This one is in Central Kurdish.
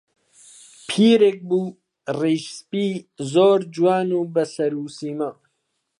پیرێک بوو ڕیش سپی، زۆر جوان و بە سەر و سیما